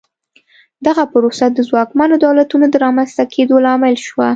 دغه پروسه د ځواکمنو دولتونو د رامنځته کېدو لامل شوه.